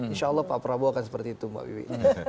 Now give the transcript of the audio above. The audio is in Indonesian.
insya allah pak prabowo akan seperti itu mbak wiwi